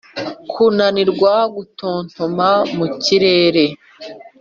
kunanirwa gutontoma mu kirere